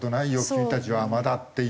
君たちはまだ」っていう。